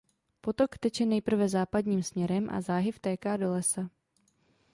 Potok teče nejprve západním směrem a záhy vtéká do lesa.